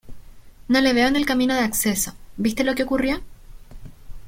No le veo en el camino de acceso. ¿ viste lo qué ocurrió?